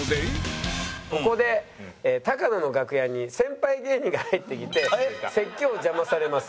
ここで高野の楽屋に先輩芸人が入ってきて説教を邪魔されます。